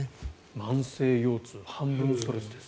慢性腰痛半分ストレスですって。